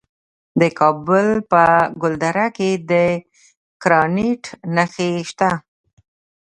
د کابل په ګلدره کې د ګرانیټ نښې شته.